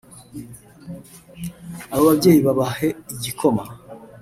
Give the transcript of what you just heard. ababyeyi babahe igikoma